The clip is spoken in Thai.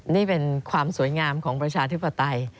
นี่เป็นความสวยงามของประชาธิปไตย